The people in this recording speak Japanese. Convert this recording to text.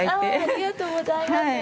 ありがとうございます。